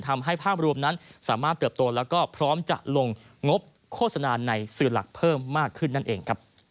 ภาพรวมนั้นสามารถเติบโตแล้วก็พร้อมจะลงงบโฆษณาในสื่อหลักเพิ่มมากขึ้นนั่นเอง